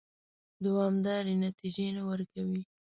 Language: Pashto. دوامدارې نتیجې نه ورکوي.